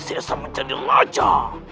sesa menjadi raja